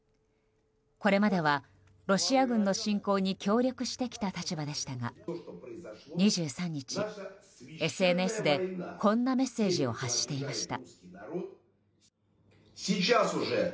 これまでは、ロシア軍の侵攻に協力してきた立場でしたが２３日、ＳＮＳでこんなメッセージを発していました。